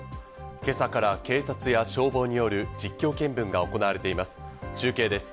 今朝から警察や消防による実況見分が行われています。